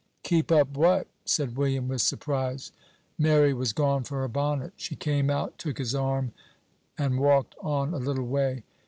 "Keep up what?" said William, with surprise. Mary was gone for her bonnet. She came out, took his arm, and walked on a little way.